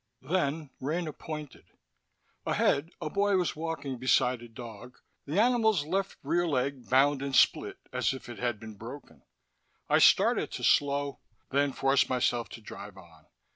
Then Rena pointed. Ahead, a boy was walking beside a dog, the animal's left rear leg bound and split as if it had been broken. I started to slow, then forced myself to drive on.